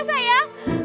naik naik aja kan